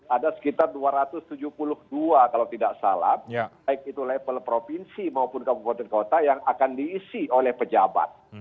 ada sekitar dua ratus tujuh puluh dua kalau tidak salah baik itu level provinsi maupun kabupaten kota yang akan diisi oleh pejabat